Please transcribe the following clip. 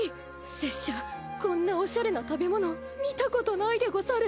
拙者こんなおしゃれな食べ物見たことないでござる。